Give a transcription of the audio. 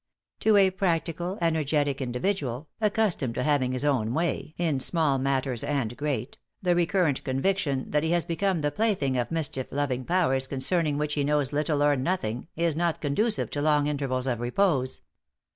To a practical, energetic individual, accustomed to having his own way in small matters and great, the recurrent conviction that he has become the plaything of mischief loving powers concerning which he knows little or nothing is not conducive to long intervals of repose.